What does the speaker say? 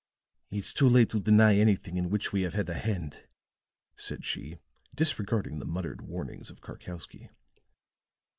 "It's too late to deny anything in which we have had a hand," said she, disregarding the muttered warnings of Karkowsky.